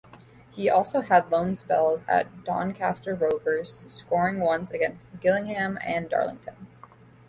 He also had loan spells at Doncaster Rovers, scoring once against Gillingham and Darlington.